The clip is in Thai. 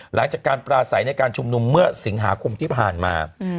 หลังจากการปราศัยในการชุมนุมเมื่อสิงหาคมที่ผ่านมา